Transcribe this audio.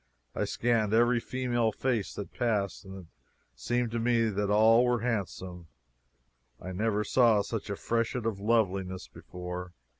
I scanned every female face that passed, and it seemed to me that all were handsome. I never saw such a freshet of loveliness before.